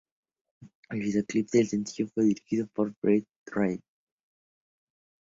El vídeo clip del sencillo fue dirigido por Brett Ratner.